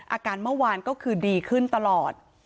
อาการเมื่อวานก็คือดีขึ้นตลอด